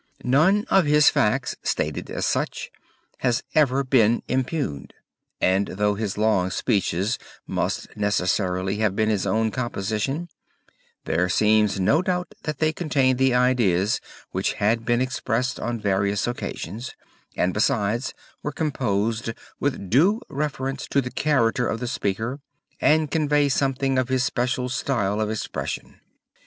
None of his facts, stated as such, has ever been impugned, and though his long speeches must necessarily have been his own composition, there seems no doubt that they contain the ideas which had been expressed on various occasions, and besides were composed with due reference to the character of the speaker and convey something of his special style of expression.